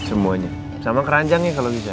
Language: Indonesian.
semuanya sama keranjangnya kalau bisa